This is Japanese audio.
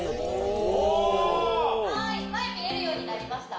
はい前見えるようになりました？